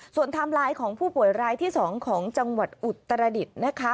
ส่วนไทม์ไลน์ของผู้ป่วยรายที่๒ของจังหวัดอุตรดิษฐ์นะคะ